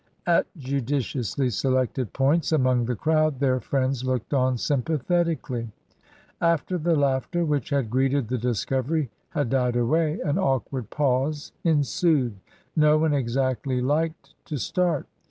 At judiciously selected points among the crowd their friends looked on sympathetically. After the laughter which had greeted the discovery had died away, an awkward pause ensued. No one exactly liked to start.